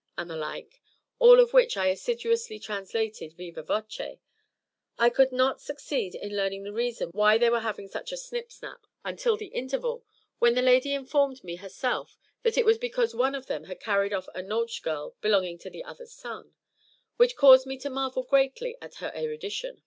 _" and the like, all of which I assiduously translated vivâ voce I could not succeed in learning the reason why they were having such a snip snap, until the interval, when the lady informed me herself that it was because one of them had carried off a nautch girl belonging to the other's son which caused me to marvel greatly at her erudition.